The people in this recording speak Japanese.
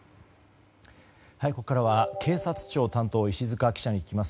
ここからは警察庁担当石塚記者に聞きます。